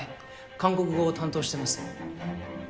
韓国語を担当してます。